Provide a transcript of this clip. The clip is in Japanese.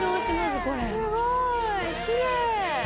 「すごい！きれい！」